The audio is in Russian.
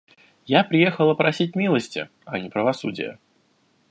Я приехала просить милости, а не правосудия.